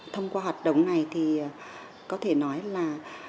thông qua hoạt động này thì có thể nói là